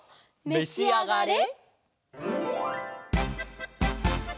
めしあがれ！